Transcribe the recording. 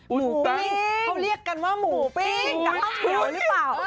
หมูปิ๊งเขาเรียกกันว่าหมูปิ๊งแต่เขาเหลียวหรือเปล่า